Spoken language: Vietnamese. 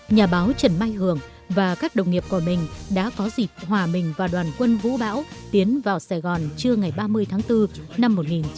nhà báo trần mai hưởng và các đồng nghiệp của mình đã có dịp hòa mình và đoàn quân vũ bão tiến vào sài gòn trưa ngày ba mươi tháng bốn năm một nghìn chín trăm bảy mươi năm